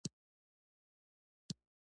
سلطان محمود غزنوي په سپوږمیز کال کې مړ شو.